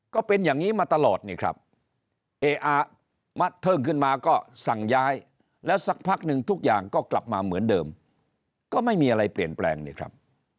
ก็เป็นอย่างนี้มาตลอดนี่ครับเออะเทิ่งขึ้นมาก็สั่งย้ายแล้วสักพักหนึ่งทุกอย่างก็กลับมาเหมือนเดิมก็ไม่มีอะไรเปลี่ยนแปลงนี่ครับ